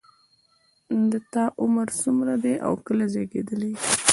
د تا عمر څومره ده او کله زیږیدلی یې